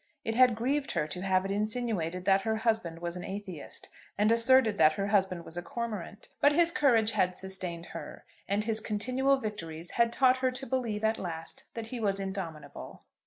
It had grieved her to have it insinuated that her husband was an atheist, and asserted that her husband was a cormorant; but his courage had sustained her, and his continual victories had taught her to believe at last that he was indomitable.